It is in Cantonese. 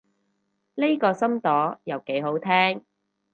呢個新朵又幾好聽